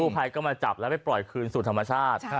ภัยก็มาจับแล้วไปปล่อยคืนสู่ธรรมชาติ